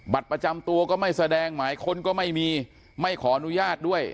ประจำตัวก็ไม่แสดงหมายค้นก็ไม่มีไม่ขออนุญาตด้วย